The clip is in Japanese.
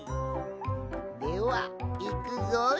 ではいくぞい。